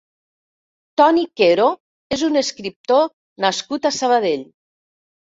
Toni Quero és un escriptor nascut a Sabadell.